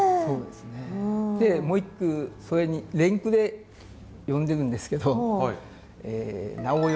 でもう１句それに連句で詠んでるんですけど。